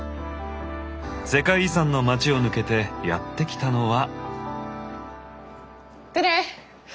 世界遺産の街を抜けてやって来たのは。